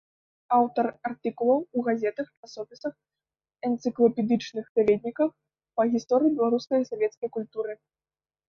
Аўтар артыкулаў у газетах, часопісах, энцыклапедычных даведніках па гісторыі беларускай савецкай культуры.